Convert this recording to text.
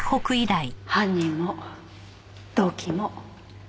犯人も動機も。